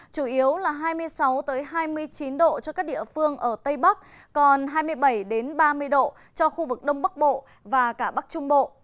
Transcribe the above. chủ yếu là hai mươi sáu hai mươi chín độ cho các địa phương ở tây bắc còn hai mươi bảy ba mươi độ cho khu vực đông bắc bộ và cả bắc trung bộ